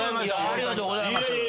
ありがとうございます。